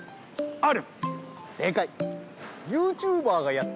ある！